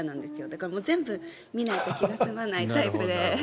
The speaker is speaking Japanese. だから、全部見ないと気が済まないタイプで。